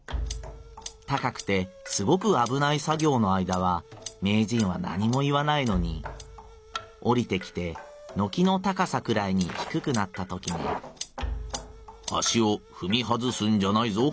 高くてすごくあぶない作ぎょうの間は名人は何も言わないのにおりてきて軒の高さくらいにひくくなったときに『足をふみ外すんじゃないぞ。